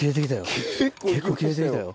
結構切れてきたよ。